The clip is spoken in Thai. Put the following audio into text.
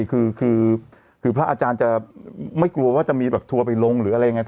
คือพระอาจารย์จะไม่กลัวว่าจะมีแบบทัวร์ไปลงหรืออะไรยังไง